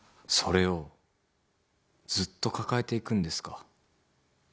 「それをずっと抱えていくんですか？」